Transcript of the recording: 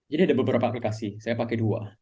jadi ada beberapa aplikasi saya pakai dua